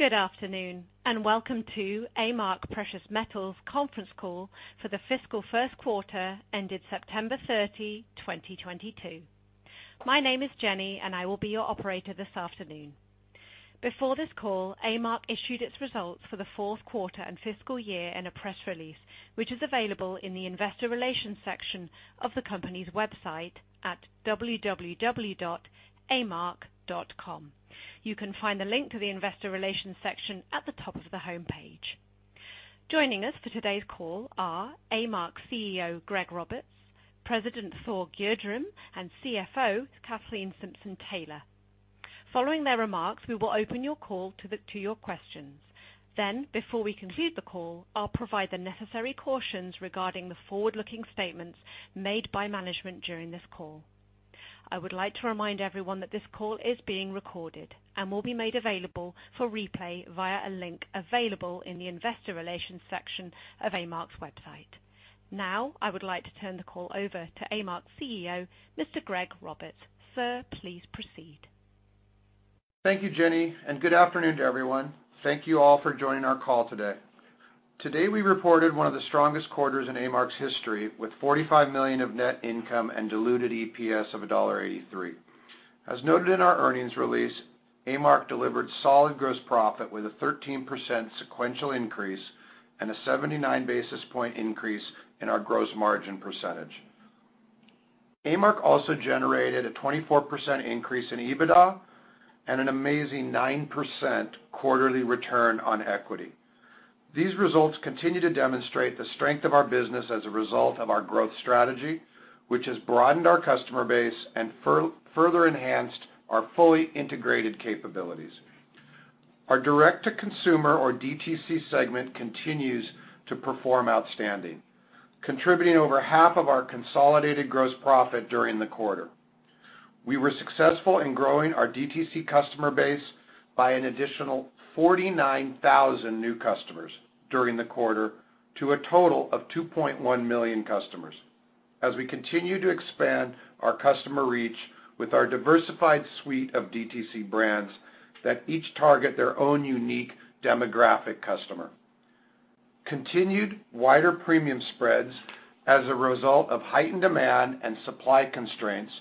Good afternoon, welcome to A-Mark Precious Metals conference call for the fiscal first quarter ended September 30, 2022. My name is Jenny, I will be your operator this afternoon. Before this call, A-Mark issued its results for the fourth quarter and fiscal year in a press release, which is available in the investor relations section of the company's website at www.amark.com. You can find the link to the investor relations section at the top of the homepage. Joining us for today's call are A-Mark CEO, Greg Roberts, President Thor Gjerdrum, and CFO Kathleen Simpson-Taylor. Following their remarks, we will open your call to your questions. Before we conclude the call, I'll provide the necessary cautions regarding the forward-looking statements made by management during this call. I would like to remind everyone that this call is being recorded and will be made available for replay via a link available in the investor relations section of A-Mark's website. I would like to turn the call over to A-Mark's CEO, Mr. Greg Roberts. Sir, please proceed. Thank you, Jenny, good afternoon to everyone. Thank you all for joining our call today. We reported one of the strongest quarters in A-Mark's history, with $45 million of net income and diluted EPS of $1.83. As noted in our earnings release, A-Mark delivered solid gross profit with a 13% sequential increase and a 79 basis point increase in our gross margin percentage. A-Mark also generated a 24% increase in EBITDA and an amazing 9% quarterly return on equity. These results continue to demonstrate the strength of our business as a result of our growth strategy, which has broadened our customer base and further enhanced our fully integrated capabilities. Our direct-to-consumer or DTC segment continues to perform outstanding, contributing over half of our consolidated gross profit during the quarter. We were successful in growing our DTC customer base by an additional 49,000 new customers during the quarter to a total of 2.1 million customers, as we continue to expand our customer reach with our diversified suite of DTC brands that each target their own unique demographic customer. Continued wider premium spreads as a result of heightened demand and supply constraints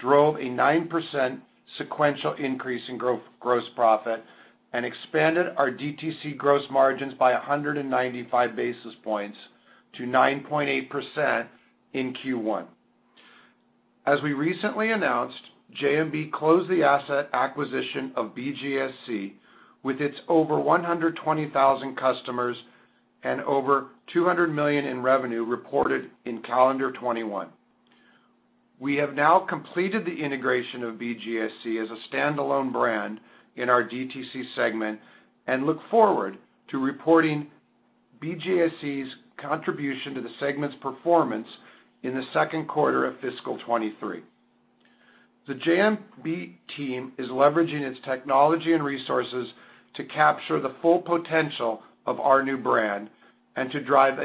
drove a 9% sequential increase in gross profit and expanded our DTC gross margins by 195 basis points to 9.8% in Q1. As we recently announced, JMB closed the asset acquisition of BGASC with its over 120,000 customers and over $200 million in revenue reported in calendar 2021. We have now completed the integration of BGASC as a standalone brand in our DTC segment and look forward to reporting BGASC's contribution to the segment's performance in the second quarter of fiscal 2023. The JMB team is leveraging its technology and resources to capture the full potential of our new brand and to drive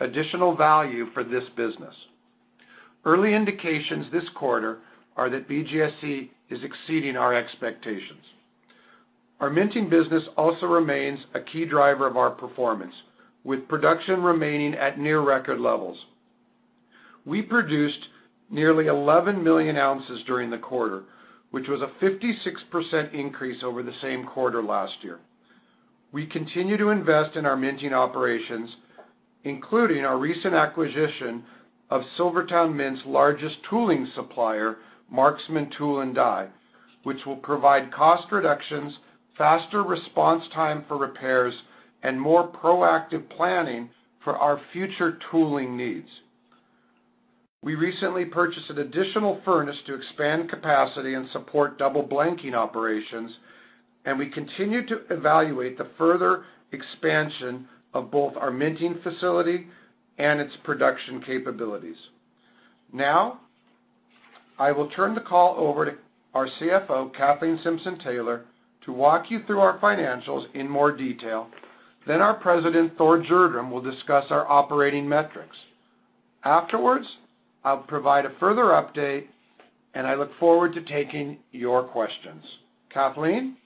additional value for this business. Early indications this quarter are that BGASC is exceeding our expectations. Our minting business also remains a key driver of our performance, with production remaining at near record levels. We produced nearly 11 million ounces during the quarter, which was a 56% increase over the same quarter last year. We continue to invest in our minting operations, including our recent acquisition of SilverTowne Mint's largest tooling supplier, Marksman Tool and Die, which will provide cost reductions, faster response time for repairs, and more proactive planning for our future tooling needs. We recently purchased an additional furnace to expand capacity and support double blanking operations, and we continue to evaluate the further expansion of both our minting facility and its production capabilities. I will turn the call over to our CFO, Kathleen Simpson-Taylor, to walk you through our financials in more detail. Our president, Thor Gjerdrum, will discuss our operating metrics. Afterwards, I'll provide a further update, and I look forward to taking your questions. Kathleen?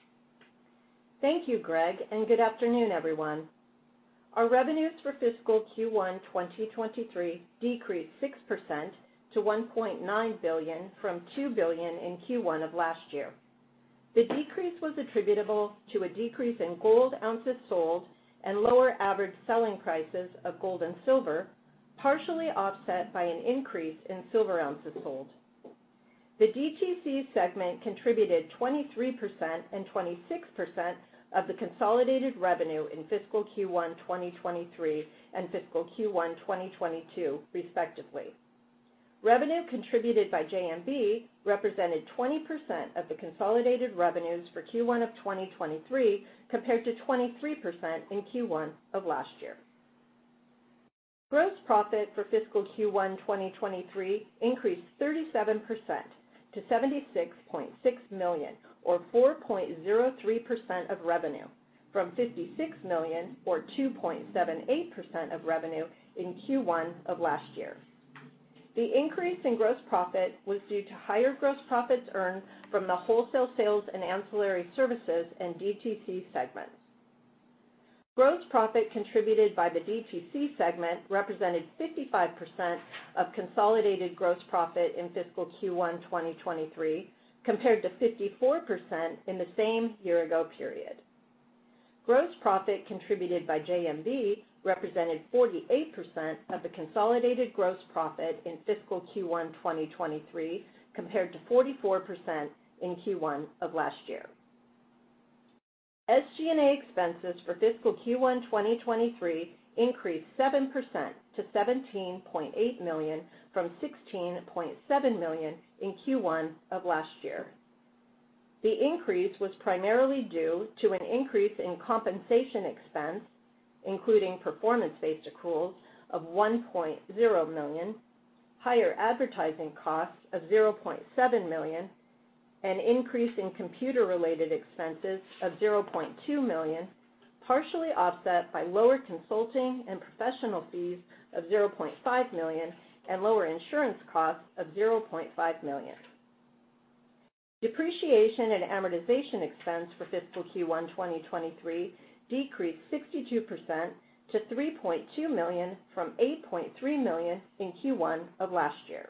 Thank you, Greg, and good afternoon, everyone. Our revenues for fiscal Q1 2023 decreased 6% to $1.9 billion from $2 billion in Q1 of last year. The decrease was attributable to a decrease in gold ounces sold and lower average selling prices of gold and silver, partially offset by an increase in silver ounces sold. The DTC segment contributed 23% and 26% of the consolidated revenue in fiscal Q1 2023 and fiscal Q1 2022, respectively. Revenue contributed by JMB represented 20% of the consolidated revenues for Q1 of 2023, compared to 23% in Q1 of last year. Gross profit for fiscal Q1 2023 increased 37% to $76.6 million, or 4.03% of revenue, from $56 million, or 2.78% of revenue in Q1 of last year. The increase in gross profit was due to higher gross profits earned from the wholesale sales and ancillary services in DTC segments. Gross profit contributed by the DTC segment represented 55% of consolidated gross profit in fiscal Q1 2023, compared to 54% in the same year-ago period. Gross profit contributed by JMB represented 48% of the consolidated gross profit in fiscal Q1 2023, compared to 44% in Q1 of last year. SG&A expenses for fiscal Q1 2023 increased 7% to $17.8 million, from $16.7 million in Q1 of last year. The increase was primarily due to an increase in compensation expense, including performance-based accruals of $1.0 million, higher advertising costs of $0.7 million, an increase in computer-related expenses of $0.2 million, partially offset by lower consulting and professional fees of $0.5 million and lower insurance costs of $0.5 million. Depreciation and amortization expense for fiscal Q1 2023 decreased 62% to $3.2 million from $8.3 million in Q1 of last year.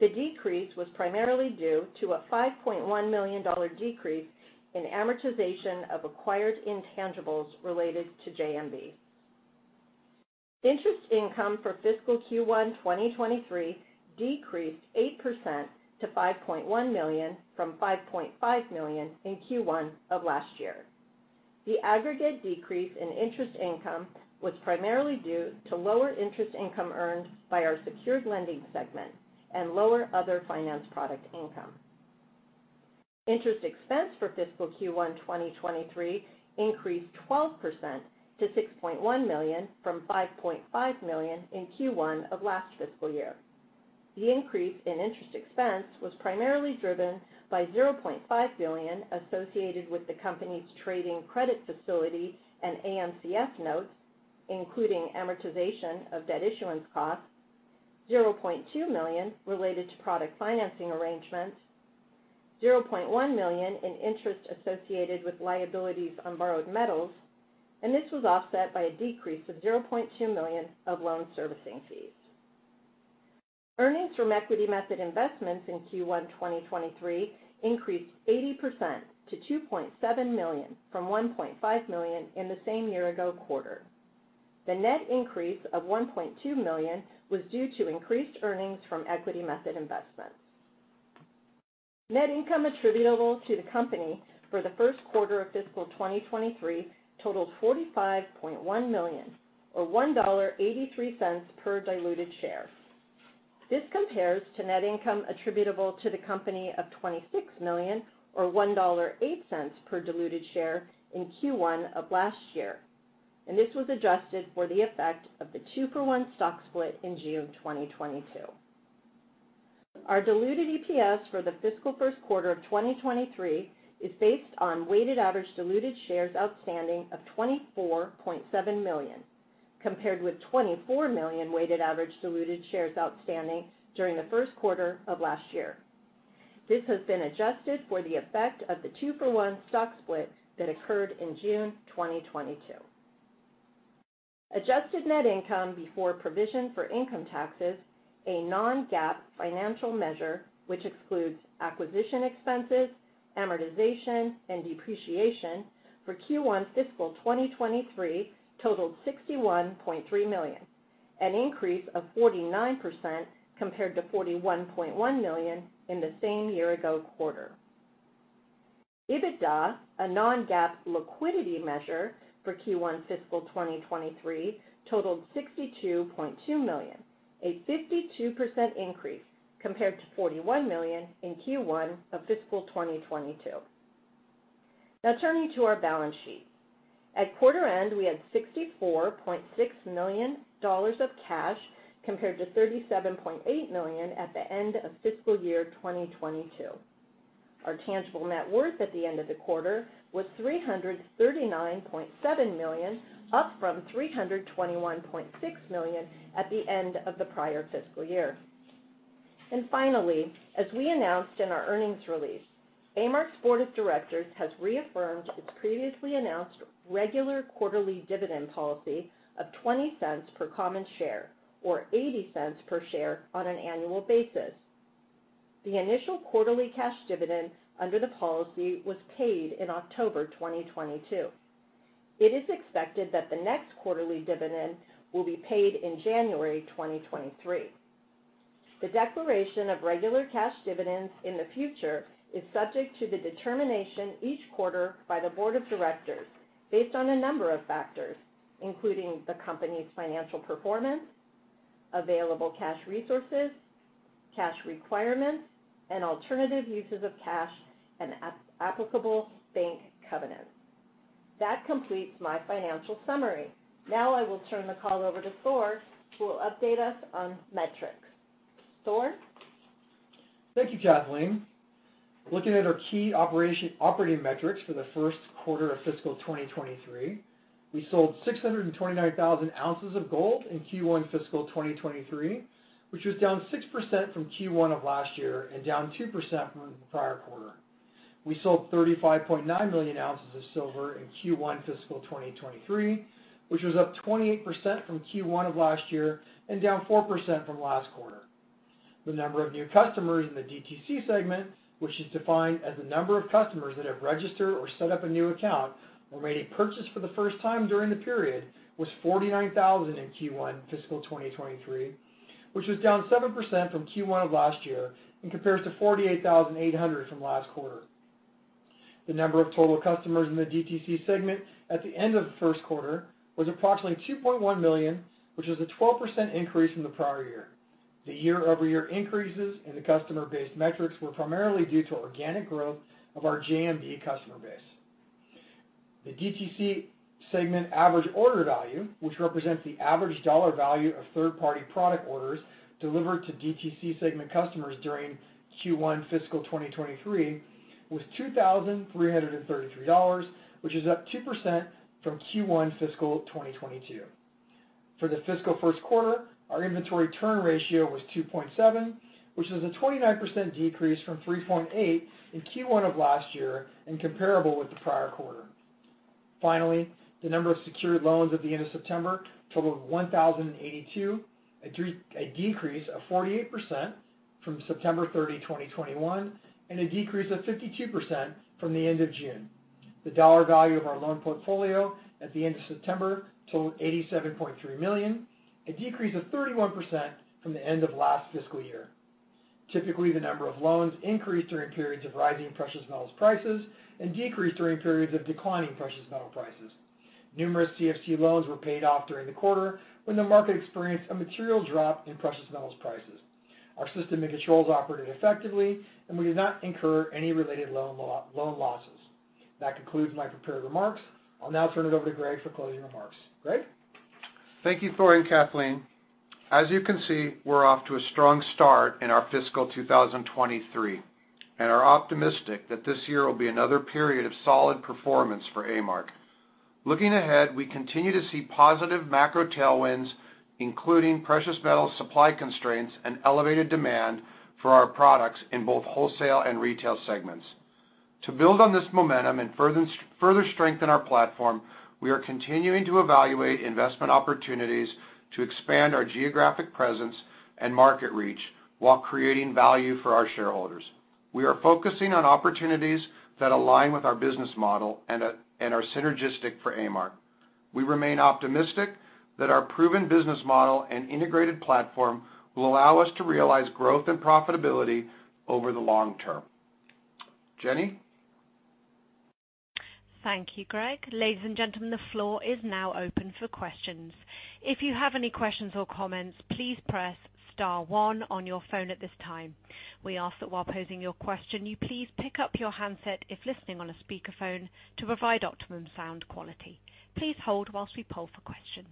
The decrease was primarily due to a $5.1 million decrease in amortization of acquired intangibles related to JMB. Interest income for fiscal Q1 2023 decreased 8% to $5.1 million from $5.5 million in Q1 of last year. The aggregate decrease in interest income was primarily due to lower interest income earned by our secured lending segment and lower other finance product income. Interest expense for fiscal Q1 2023 increased 12% to $6.1 million from $5.5 million in Q1 of last fiscal year. The increase in interest expense was primarily driven by $0.5 million associated with the company's trading credit facility and AMCF notes, including amortization of debt issuance costs, $0.2 million related to product financing arrangements, $0.1 million in interest associated with liabilities on borrowed metals, and this was offset by a decrease of $0.2 million of loan servicing fees. Earnings from equity method investments in Q1 2023 increased 80% to $2.7 million from $1.5 million in the same year-ago quarter. The net increase of $1.2 million was due to increased earnings from equity method investments. Net income attributable to the company for the first quarter of fiscal 2023 totaled $45.1 million, or $1.83 per diluted share. This compares to net income attributable to the company of $26 million or $1.08 per diluted share in Q1 of last year, and this was adjusted for the effect of the two-for-one stock split in June 2022. Our diluted EPS for the fiscal first quarter of 2023 is based on weighted average diluted shares outstanding of $24.7 million, compared with $24 million weighted average diluted shares outstanding during the first quarter of last year. This has been adjusted for the effect of the two-for-one stock split that occurred in June 2022. Adjusted net income before provision for income taxes, a non-GAAP financial measure which excludes acquisition expenses, amortization, and depreciation for Q1 fiscal 2023 totaled $61.3 million, an increase of 49% compared to $41.1 million in the same year-ago quarter. EBITDA, a non-GAAP liquidity measure for Q1 fiscal 2023, totaled $62.2 million, a 52% increase compared to $41 million in Q1 of fiscal 2022. Now turning to our balance sheet. At quarter end, we had $64.6 million of cash, compared to $37.8 million at the end of fiscal year 2022. Our tangible net worth at the end of the quarter was $339.7 million, up from $321.6 million at the end of the prior fiscal year. Finally, as we announced in our earnings release, A-Mark's board of directors has reaffirmed its previously announced regular quarterly dividend policy of $0.20 per common share or $0.80 per share on an annual basis. The initial quarterly cash dividend under the policy was paid in October 2022. It is expected that the next quarterly dividend will be paid in January 2023. The declaration of regular cash dividends in the future is subject to the determination each quarter by the board of directors based on a number of factors, including the company's financial performance, available cash resources, cash requirements, and alternative uses of cash, and applicable bank covenants. That completes my financial summary. Now I will turn the call over to Thor, who will update us on metrics. Thor? Thank you, Kathleen. Looking at our key operating metrics for the first quarter of fiscal 2023, we sold 629,000 ounces of gold in Q1 fiscal 2023, which was down 6% from Q1 of last year and down 2% from the prior quarter. We sold 35.9 million ounces of silver in Q1 fiscal 2023, which was up 28% from Q1 of last year and down 4% from last quarter. The number of new customers in the DTC segment, which is defined as the number of customers that have registered or set up a new account or made a purchase for the first time during the period, was 49,000 in Q1 fiscal 2023, which was down 7% from Q1 of last year and compares to 48,800 from last quarter. The number of total customers in the DTC segment at the end of the first quarter was approximately 2.1 million, which was a 12% increase from the prior year. The year-over-year increases in the customer base metrics were primarily due to organic growth of our JMB customer base. The DTC segment average order value, which represents the average dollar value of third-party product orders delivered to DTC segment customers during Q1 fiscal 2023, was $2,333, which is up 2% from Q1 fiscal 2022. For the fiscal first quarter, our inventory turn ratio was 2.7, which is a 29% decrease from 3.8 in Q1 of last year and comparable with the prior quarter. Finally, the number of secured loans at the end of September totaled 1,082, a decrease of 48% from September 30, 2021, and a decrease of 52% from the end of June. The dollar value of our loan portfolio at the end of September totaled $87.3 million, a decrease of 31% from the end of last fiscal year. Typically, the number of loans increase during periods of rising precious metals prices and decrease during periods of declining precious metal prices. Numerous CFC loans were paid off during the quarter when the market experienced a material drop in precious metals prices. Our system and controls operated effectively, and we did not incur any related loan losses. That concludes my prepared remarks. I'll now turn it over to Greg for closing remarks. Greg? Thank you, Thor and Kathleen. As you can see, we're off to a strong start in our fiscal 2023 and are optimistic that this year will be another period of solid performance for A-Mark. Looking ahead, we continue to see positive macro tailwinds, including precious metal supply constraints and elevated demand for our products in both wholesale and retail segments. To build on this momentum and further strengthen our platform, we are continuing to evaluate investment opportunities to expand our geographic presence and market reach while creating value for our shareholders. We are focusing on opportunities that align with our business model and are synergistic for A-Mark. We remain optimistic that our proven business model and integrated platform will allow us to realize growth and profitability over the long term. Jenny? Thank you, Greg. Ladies and gentlemen, the floor is now open for questions. If you have any questions or comments, please press star 1 on your phone at this time. We ask that while posing your question, you please pick up your handset if listening on a speakerphone to provide optimum sound quality. Please hold whilst we poll for questions.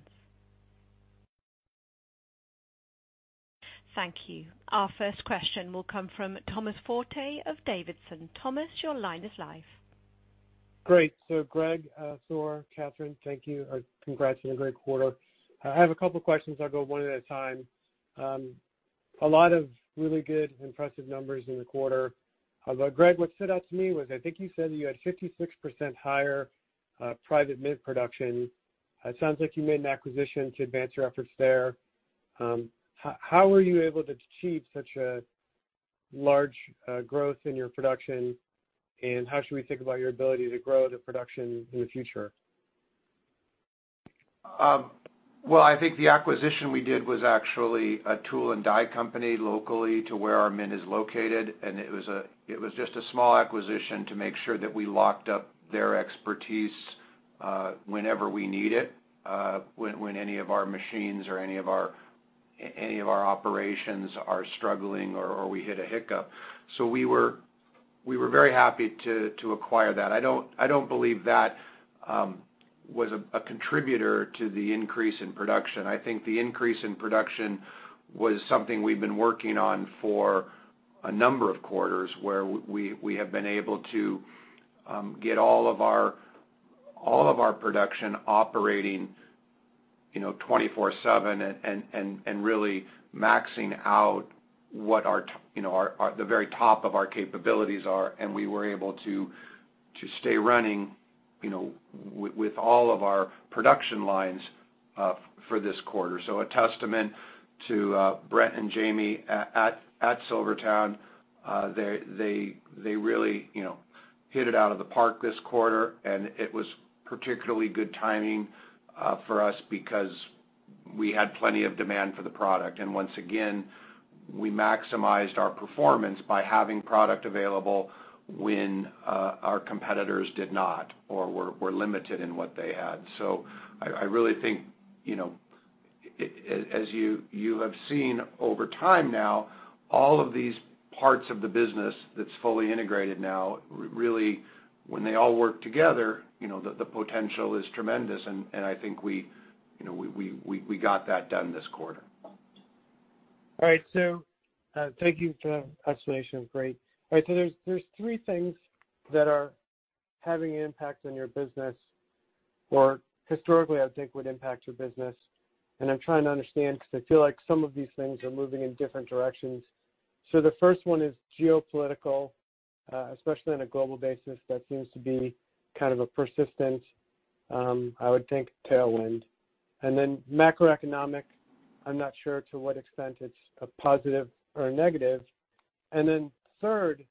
Thank you. Our first question will come from Thomas Forte of D.A. Davidson. Thomas, your line is live. Great. Greg, Thor, Kathleen, thank you. Congrats on a great quarter. I have a couple questions. I'll go one at a time. A lot of really good, impressive numbers in the quarter. Greg, what stood out to me was, I think you said that you had 56% higher private mint production. It sounds like you made an acquisition to advance your efforts there. How were you able to achieve such a large growth in your production, and how should we think about your ability to grow the production in the future? I think the acquisition we did was actually a tool and die company locally to where our mint is located, and it was just a small acquisition to make sure that we locked up their expertise whenever we need it, when any of our machines or any of our operations are struggling or we hit a hiccup. We were very happy to acquire that. I don't believe that was a contributor to the increase in production. I think the increase in production was something we've been working on for a number of quarters, where we have been able to get all of our production operating 24/7 and really maxing out what the very top of our capabilities are. We were able to stay running with all of our production lines for this quarter. A testament to Brent and Jamie at SilverTowne. They really hit it out of the park this quarter, it was particularly good timing for us because we had plenty of demand for the product. Once again, we maximized our performance by having product available when our competitors did not or were limited in what they had. I really think, as you have seen over time now, all of these parts of the business that's fully integrated now, really, when they all work together, the potential is tremendous. I think we got that done this quarter. All right. Thank you for that explanation. Great. All right. There's three things that are having an impact on your business, or historically, I would think would impact your business, and I'm trying to understand because I feel like some of these things are moving in different directions. The first one is geopolitical, especially on a global basis, that seems to be kind of a persistent, I would think, tailwind. Macroeconomic, I'm not sure to what extent it's a positive or a negative. Third,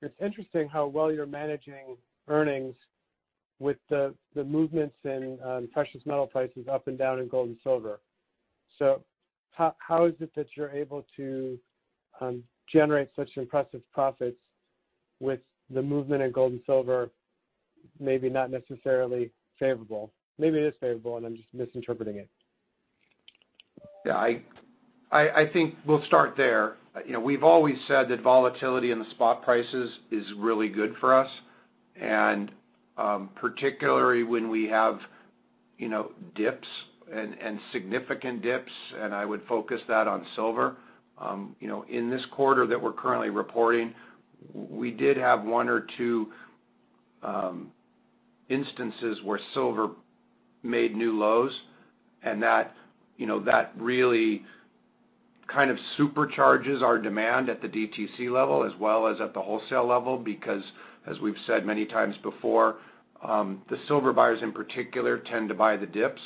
it's interesting how well you're managing earnings with the movements in precious metal prices up and down in gold and silver. How is it that you're able to generate such impressive profits with the movement in gold and silver, maybe not necessarily favorable? Maybe it is favorable and I'm just misinterpreting it. I think we'll start there. We've always said that volatility in the spot prices is really good for us, particularly when we have dips and significant dips. I would focus that on silver. In this quarter that we're currently reporting, we did have one or two instances where silver made new lows, and that really kind of supercharges our demand at the DTC level as well as at the wholesale level because, as we've said many times before, the silver buyers, in particular, tend to buy the dips.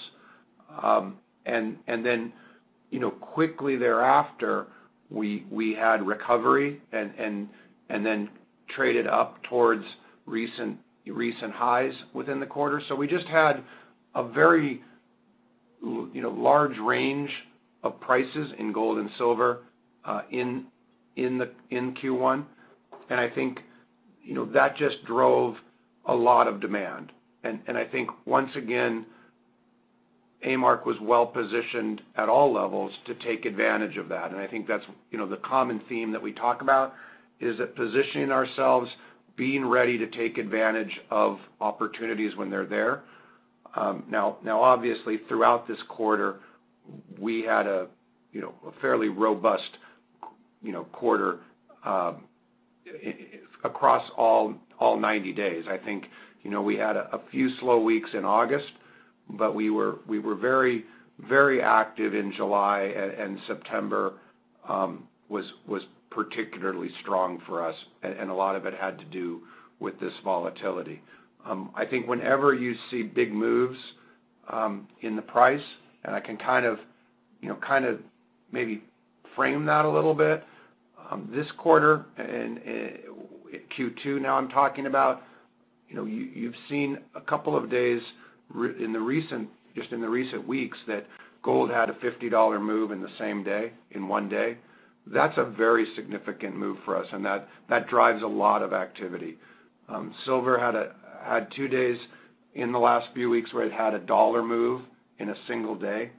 Quickly thereafter, we had recovery and then traded up towards recent highs within the quarter. We just had a very large range of prices in gold and silver in Q1, and I think that just drove a lot of demand. I think, once again, A-Mark was well-positioned at all levels to take advantage of that. I think that's the common theme that we talk about, is that positioning ourselves, being ready to take advantage of opportunities when they're there. Obviously, throughout this quarter, we had a fairly robust quarter across all 90 days. I think we had a few slow weeks in August, but we were very active in July. September was particularly strong for us, and a lot of it had to do with this volatility. I think whenever you see big moves in the price, I can kind of maybe frame that a little bit. This quarter, in Q2 now I'm talking about, you've seen a couple of days just in the recent weeks that gold had a $50 move in the same day, in one day. That's a very significant move for us, and that drives a lot of activity. Silver had two days in the last few weeks where it had a dollar move in a single day.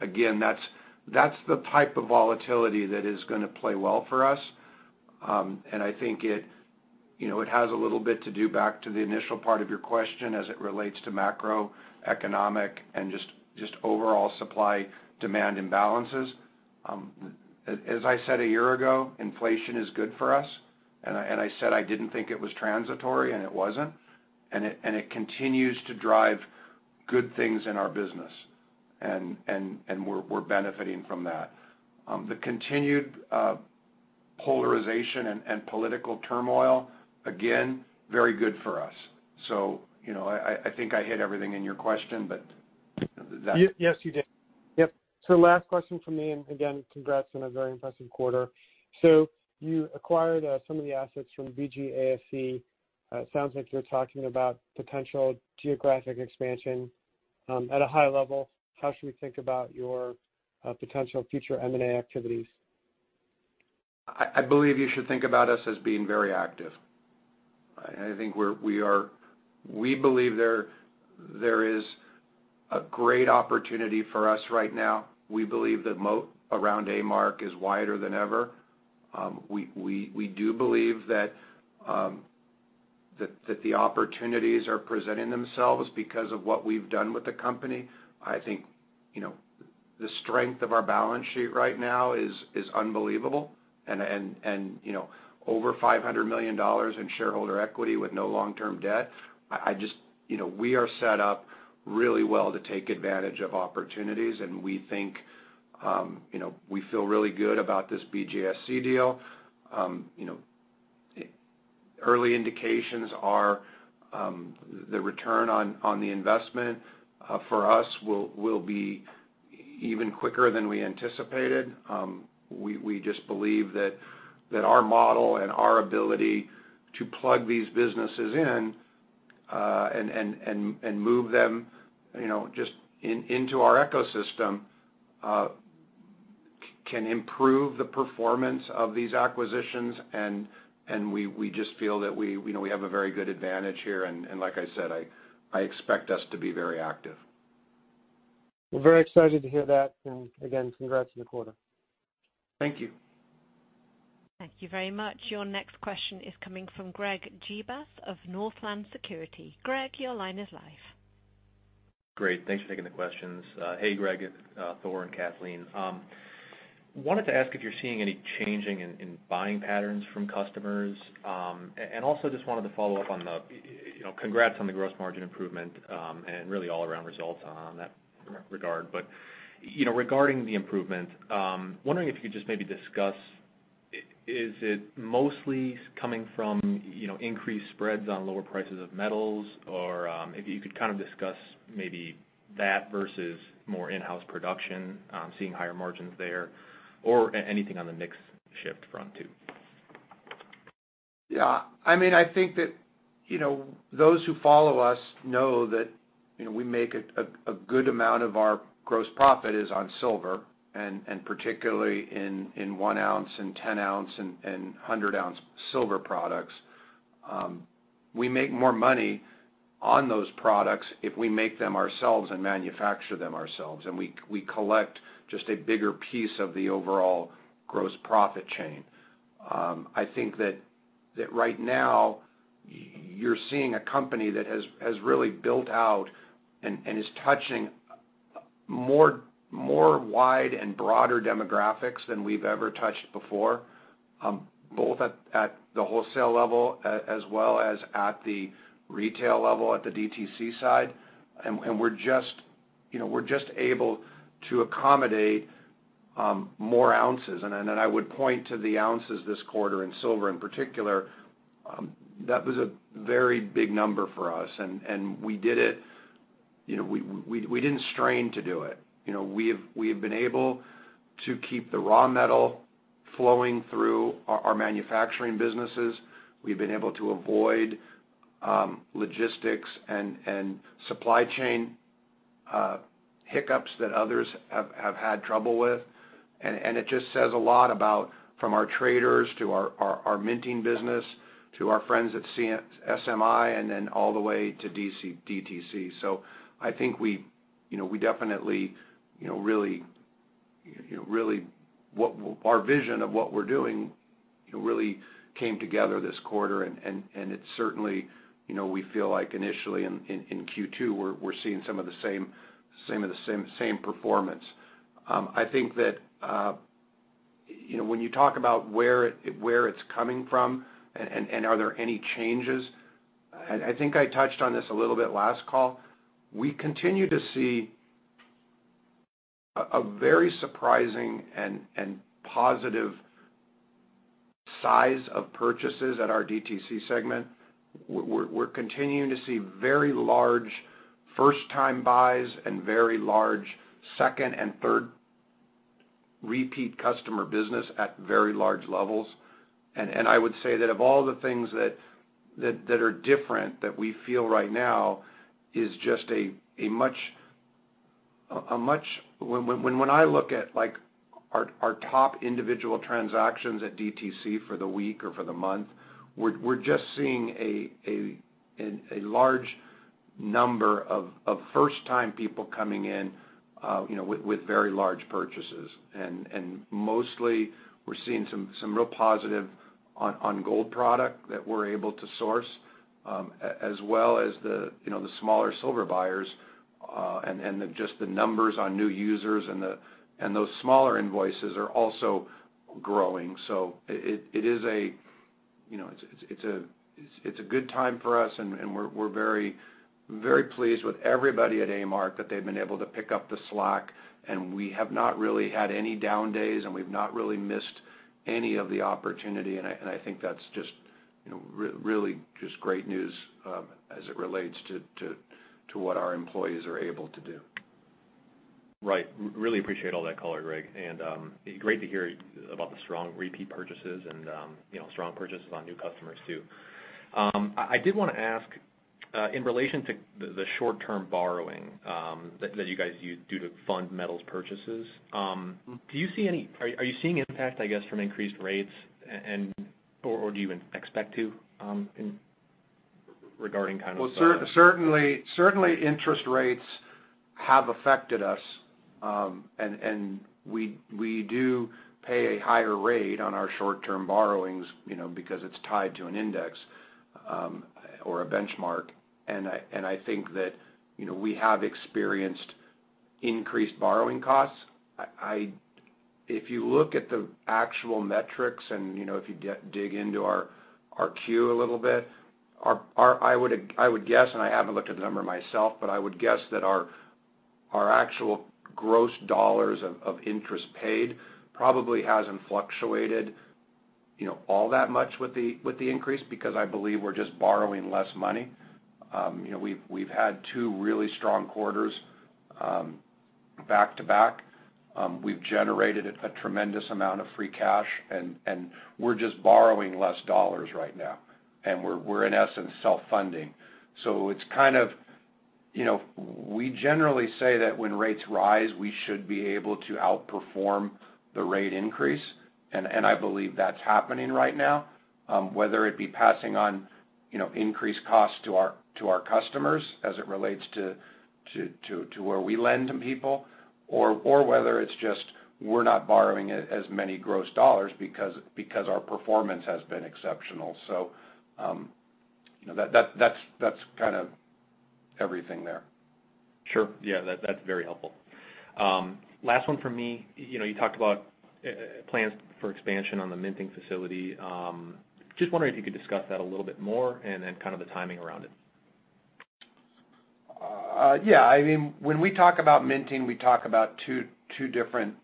That's the type of volatility that is going to play well for us, and I think it has a little bit to do back to the initial part of your question as it relates to macroeconomic and just overall supply-demand imbalances. As I said a year ago, inflation is good for us. I said I didn't think it was transitory, and it wasn't. It continues to drive good things in our business, and we're benefiting from that. The continued polarization and political turmoil, again, very good for us. I think I hit everything in your question but that. Yes, you did. Yep. Last question from me, again, congrats on a very impressive quarter. You acquired some of the assets from BGASC. It sounds like you're talking about potential geographic expansion. At a high level, how should we think about your potential future M&A activities? I believe you should think about us as being very active. I think we believe there is a great opportunity for us right now. We believe the moat around A-Mark is wider than ever. We do believe that the opportunities are presenting themselves because of what we've done with the company. I think the strength of our balance sheet right now is unbelievable, over $500 million in shareholder equity with no long-term debt. We are set up really well to take advantage of opportunities, we feel really good about this BGASC deal. Early indications are the return on the investment for us will be even quicker than we anticipated. We just believe that our model and our ability to plug these businesses in and move them just into our ecosystem can improve the performance of these acquisitions, we just feel that we have a very good advantage here, like I said, I expect us to be very active. We're very excited to hear that, again, congrats on the quarter. Thank you. Thank you very much. Your next question is coming from Greg Gibas of Northland Securities. Greg, your line is live. Great. Thanks for taking the questions. Hey, Greg, Thor, and Kathleen. Wanted to ask if you're seeing any changing in buying patterns from customers. Also just wanted to follow up on the, congrats on the gross margin improvement, and really all-around results on that regard. Regarding the improvement, wondering if you could just maybe discuss, is it mostly coming from increased spreads on lower prices of metals? Or if you could kind of discuss maybe that versus more in-house production, seeing higher margins there, or anything on the mix shift front too. Yeah. I think that those who follow us know that we make a good amount of our gross profit is on silver, and particularly in one ounce and 10 ounce and 100 ounce silver products. We make more money on those products if we make them ourselves and manufacture them ourselves. We collect just a bigger piece of the overall gross profit chain. I think that right now, you're seeing a company that has really built out and is touching more wide and broader demographics than we've ever touched before, both at the wholesale level as well as at the retail level at the DTC side. We're just able to accommodate more ounces. Then I would point to the ounces this quarter in silver in particular. That was a very big number for us, and we did it. We didn't strain to do it. We have been able to keep the raw metal flowing through our manufacturing businesses. We've been able to avoid logistics and supply chain hiccups that others have had trouble with. It just says a lot about from our traders to our minting business, to our friends at SMI, and then all the way to DTC. I think our vision of what we're doing really came together this quarter, and it certainly, we feel like initially in Q2, we're seeing some of the same performance. I think that when you talk about where it's coming from and are there any changes, I touched on this a little bit last call. We continue to see a very surprising and positive size of purchases at our DTC segment. We're continuing to see very large first-time buys and very large second and third repeat customer business at very large levels. I would say that of all the things that are different that we feel right now, when I look at our top individual transactions at DTC for the week or for the month, we're just seeing a large number of first-time people coming in with very large purchases. Mostly we're seeing some real positive on gold product that we're able to source, as well as the smaller silver buyers, and just the numbers on new users and those smaller invoices are also growing. It's a good time for us, and we're very pleased with everybody at A-Mark that they've been able to pick up the slack, and we have not really had any down days, and we've not really missed any of the opportunity. I think that's just really great news as it relates to what our employees are able to do. Right. Really appreciate all that color, Greg, great to hear about the strong repeat purchases and strong purchases on new customers too. I did want to ask, in relation to the short-term borrowing that you guys use due to fund metals purchases, are you seeing impact, I guess, from increased rates or do you even expect to, regarding kind of the- Well, certainly interest rates have affected us. We do pay a higher rate on our short-term borrowings because it's tied to an index or a benchmark. I think that we have experienced increased borrowing costs. If you look at the actual metrics and if you dig into our Q a little bit, I would guess, and I haven't looked at the number myself, but I would guess that our actual gross $ of interest paid probably hasn't fluctuated all that much with the increase because I believe we're just borrowing less money. We've had 2 really strong quarters back to back. We've generated a tremendous amount of free cash, and we're just borrowing less $ right now, and we're in essence self-funding. We generally say that when rates rise, we should be able to outperform the rate increase, and I believe that's happening right now. Whether it be passing on increased costs to our customers as it relates to where we lend to people, or whether it's just we're not borrowing as many gross $ because our performance has been exceptional. That's kind of everything there. Sure. Yeah, that's very helpful. Last one from me. You talked about plans for expansion on the minting facility. Just wondering if you could discuss that a little bit more and then the timing around it. Yeah. When we talk about minting, we talk about 2 different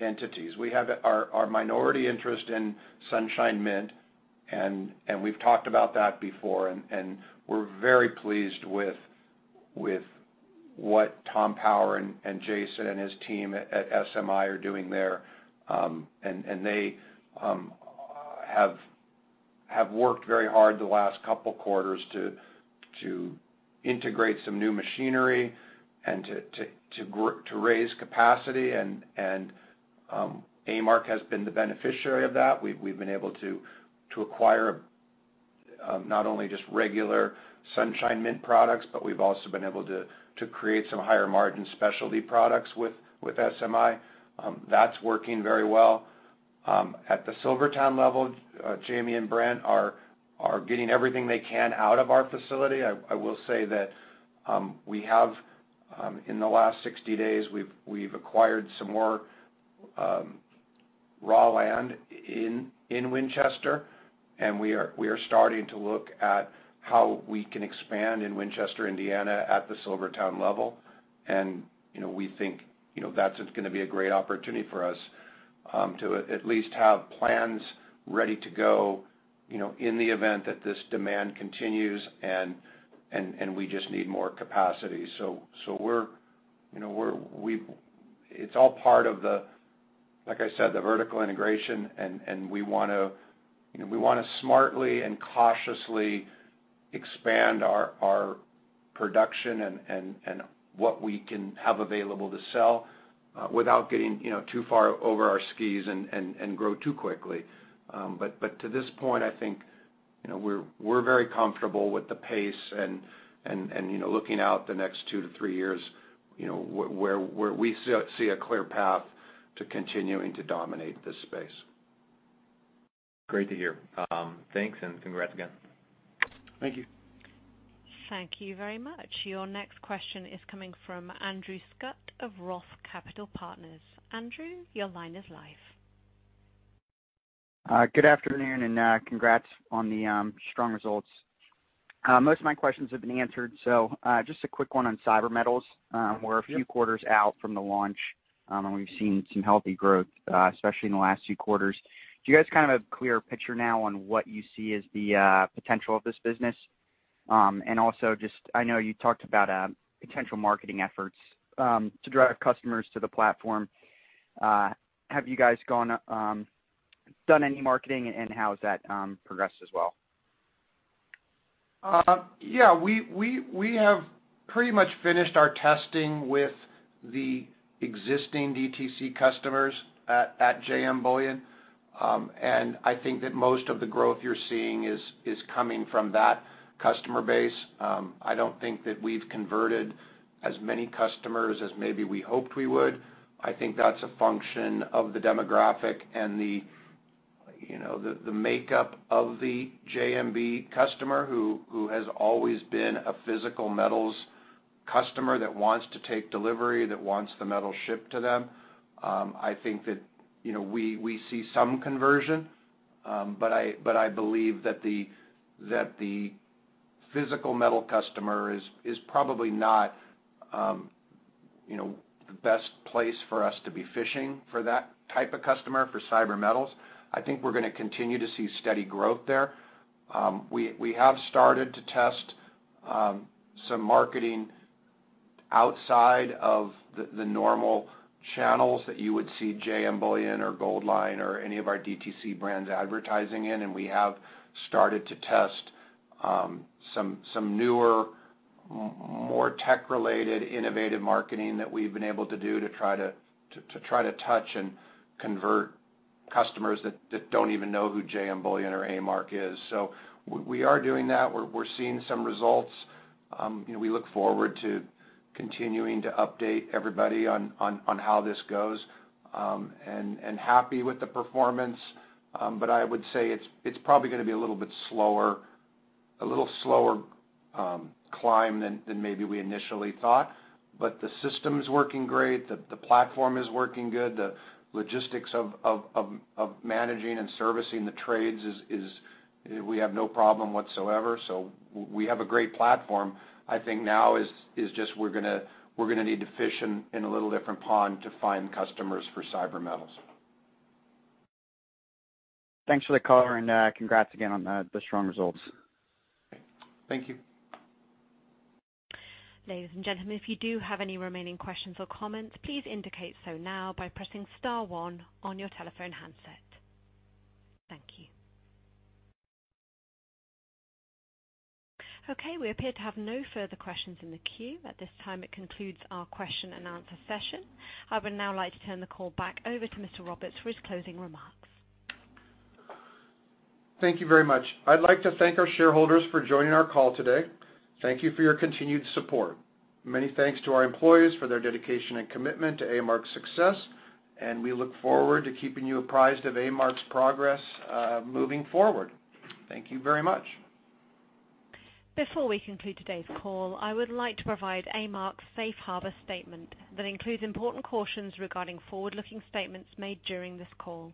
entities. We have our minority interest in Sunshine Mint, and we've talked about that before, and we're very pleased with what Tom Power and Jason and his team at SMI are doing there. They have worked very hard the last couple of quarters to integrate some new machinery and to raise capacity, and A-Mark has been the beneficiary of that. We've been able to acquire not only just regular Sunshine Mint products, but we've also been able to create some higher margin specialty products with SMI. That's working very well. At the SilverTowne level, Jamie and Brent are getting everything they can out of our facility. I will say that we have, in the last 60 days, we've acquired some more raw land in Winchester, and we are starting to look at how we can expand in Winchester, Indiana, at the SilverTowne level. We think that's going to be a great opportunity for us, to at least have plans ready to go in the event that this demand continues, and we just need more capacity. It's all part of the, like I said, the vertical integration, and we want to smartly and cautiously expand our production and what we can have available to sell without getting too far over our skis and grow too quickly. To this point, I think we're very comfortable with the pace and looking out the next two to three years, where we see a clear path to continuing to dominate this space. Great to hear. Thanks and congrats again. Thank you. Thank you very much. Your next question is coming from Andrew Scutt of ROTH Capital Partners. Andrew, your line is live. Good afternoon, congrats on the strong results. Most of my questions have been answered, just a quick one on CyberMetals. We're a few quarters out from the launch, we've seen some healthy growth, especially in the last few quarters. Do you guys have a clear picture now on what you see as the potential of this business? Also just, I know you talked about potential marketing efforts to drive customers to the platform. Have you guys done any marketing, how has that progressed as well? Yeah, we have pretty much finished our testing with the existing DTC customers at JM Bullion. I think that most of the growth you're seeing is coming from that customer base. I don't think that we've converted as many customers as maybe we hoped we would. I think that's a function of the demographic and the makeup of the JMB customer who has always been a physical metals customer that wants to take delivery, that wants the metal shipped to them. I think that we see some conversion, I believe that the physical metal customer is probably not the best place for us to be fishing for that type of customer for CyberMetals. I think we're going to continue to see steady growth there. We have started to test some marketing outside of the normal channels that you would see JM Bullion or Goldline or any of our DTC brands advertising in, we have started to test some newer, more tech-related, innovative marketing that we've been able to do to try to touch and convert customers that don't even know who JM Bullion or A-Mark is. We are doing that. We're seeing some results. We look forward to continuing to update everybody on how this goes, happy with the performance, I would say it's probably going to be a little bit slower climb than maybe we initially thought. The system's working great, the platform is working good, the logistics of managing and servicing the trades is we have no problem whatsoever. We have a great platform. I think now is just we're going to need to fish in a little different pond to find customers for CyberMetals. Thanks for the color, and congrats again on the strong results. Thank you. Ladies and gentlemen, if you do have any remaining questions or comments, please indicate so now by pressing star one on your telephone handset. Thank you. Okay. We appear to have no further questions in the queue. At this time, it concludes our question and answer session. I would now like to turn the call back over to Mr. Roberts for his closing remarks. Thank you very much. I'd like to thank our shareholders for joining our call today. Thank you for your continued support. Many thanks to our employees for their dedication and commitment to A-Mark's success, and we look forward to keeping you apprised of A-Mark's progress moving forward. Thank you very much. Before we conclude today's call, I would like to provide A-Mark's Safe Harbor statement that includes important cautions regarding forward-looking statements made during this call.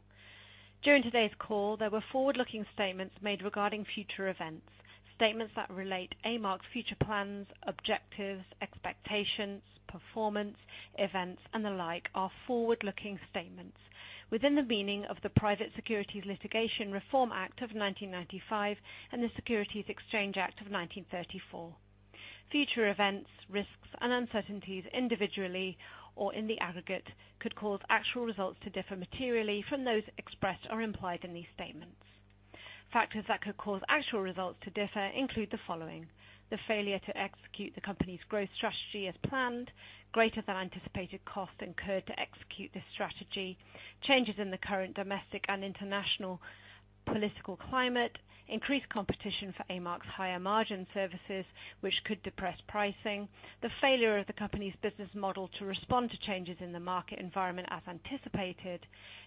During today's call, there were forward-looking statements made regarding future events. Statements that relate A-Mark's future plans, objectives, expectations, performance, events, and the like are forward-looking statements within the meaning of the Private Securities Litigation Reform Act of 1995 and the Securities Exchange Act of 1934. Future events, risks, and uncertainties individually or in the aggregate could cause actual results to differ materially from those expressed or implied in these statements. Factors that could cause actual results to differ include the following: The failure to execute the company's growth strategy as planned, greater than anticipated costs incurred to execute this strategy, changes in the current domestic and international political climate, increased competition for A-Mark's higher margin services, which could depress pricing, the failure of the company's business model to respond to changes in the market environment as anticipated,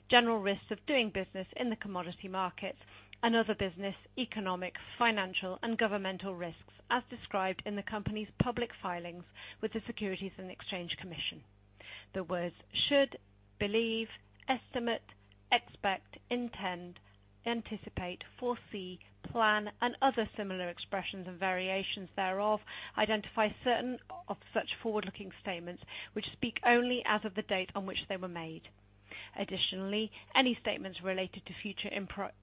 general risks of doing business in the commodity markets and other business, economic, financial, and governmental risks as described in the company's public filings with the Securities and Exchange Commission. The words should, believe, estimate, expect, intend, anticipate, foresee, plan, and other similar expressions and variations thereof, identify certain of such forward-looking statements, which speak only as of the date on which they were made. Additionally, any statements related to future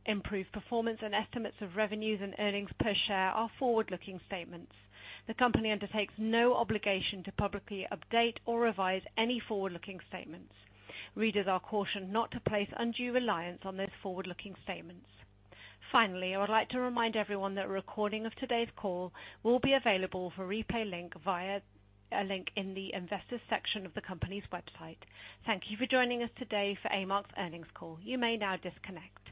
improved performance and estimates of revenues and earnings per share are forward-looking statements. The company undertakes no obligation to publicly update or revise any forward-looking statements. Readers are cautioned not to place undue reliance on those forward-looking statements. Finally, I would like to remind everyone that a recording of today's call will be available for replay via a link in the investors section of the company's website. Thank you for joining us today for A-Mark's earnings call. You may now disconnect.